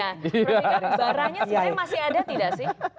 baranya sebenarnya masih ada tidak sih